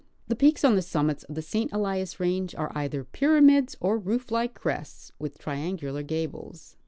The peaks on the summits of the St. Elias range are either pyramids or roof like crests with triangular gables.